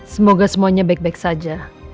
semoga semuanya baik baik saja